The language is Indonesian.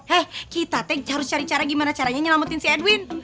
hei kita teh harus cari cara gimana caranya nyelamatin si edwin